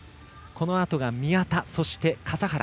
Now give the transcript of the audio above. このあとが宮田、そして笠原。